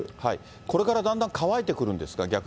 これからだんだん乾いてくるんですか？